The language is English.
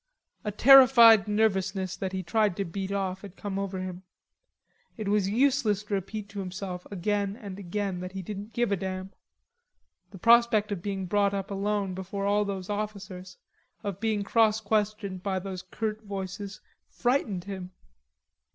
A terrified nervousness that he tried to beat off had come over him. It was useless to repeat to himself again and again that he didn't give a damn; the prospect of being brought up alone before all those officers, of being cross questioned by those curt voices, frightened him.